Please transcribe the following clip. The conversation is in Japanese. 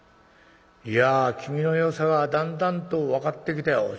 いや君のよさがだんだんと分かってきたよ」。